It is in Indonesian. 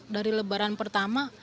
dari lebaran pertama